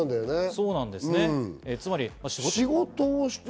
そうなんですよ。